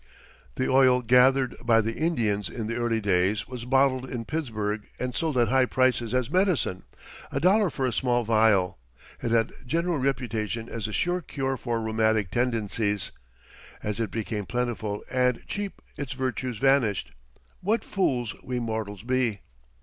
The oil gathered by the Indians in the early days was bottled in Pittsburgh and sold at high prices as medicine a dollar for a small vial. It had general reputation as a sure cure for rheumatic tendencies. As it became plentiful and cheap its virtues vanished. What fools we mortals be!